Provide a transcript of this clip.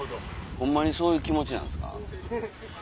ホンマにそういう気持ちなんですか？